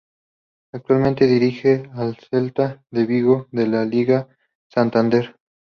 Actualmente dirige al Celta de Vigo de la Liga Santander.